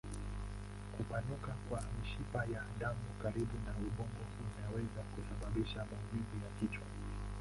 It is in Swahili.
Kupanuka kwa mishipa ya damu karibu na ubongo inaweza kusababisha maumivu ya kichwa.